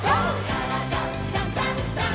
「からだダンダンダン」